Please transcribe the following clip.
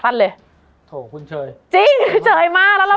มันทำให้ชีวิตผู้มันไปไม่รอด